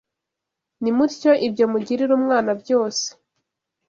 Nimutyo ibyo mugirira umwana byose